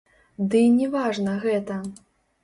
Дый не важна гэта.